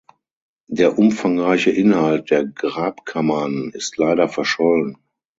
Der umfangreiche Inhalt der Grabkammern ist leider verschollen.